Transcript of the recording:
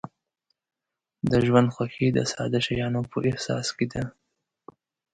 د ژوند خوښي د ساده شیانو په احساس کې ده.